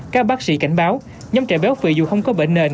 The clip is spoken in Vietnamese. các bác sĩ cảnh báo nhóm trẻ béo phụy dù không có bệnh